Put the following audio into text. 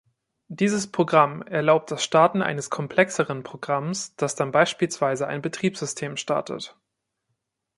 Dieses Programm erlaubt das Starten eines komplexeren Programms, das dann beispielsweise ein Betriebssystem startet.